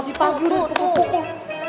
masih pagi udah tukang pukul